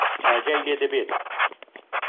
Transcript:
ئاگای لێ دەبێت.